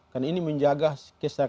karena ini menjaga sekitar seratus juta orang